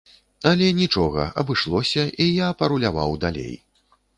Але нічога, абышлося, і я паруляваў далей.